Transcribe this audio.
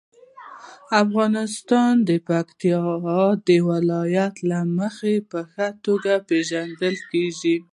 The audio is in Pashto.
افغانستان د پکتیکا د ولایت له مخې په ښه توګه پېژندل کېږي.